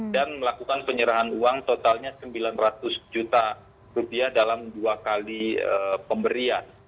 dan melakukan penyerahan uang totalnya sembilan ratus juta rupiah dalam dua kali pemberian